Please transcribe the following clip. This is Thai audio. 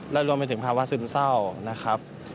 และรวมไปถึงภาวะซึ้นเศร้า